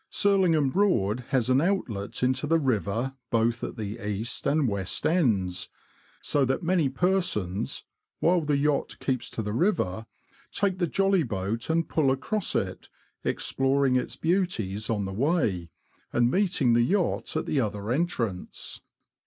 Surlingham Broad 60 THE LAND OF THE BROADS. has an outlet into the river both at the east and west ends, so that many persons, while the yacht keeps to the river, take the jolly boat and pull across it, exploring its beauties on the way, and meeting the yacht at the other entrance.